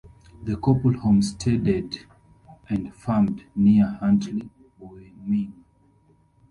The couple homesteaded and farmed near Huntley, Wyoming.